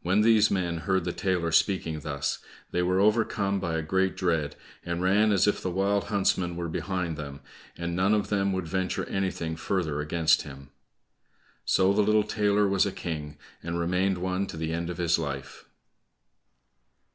When these men heard the tailor speaking thus, they were overcome by a great dread, and ran as if the wild huntsman were behind them, and none of them would venture anything further against him. So the little tailor was a king and remained one, to the end of his life.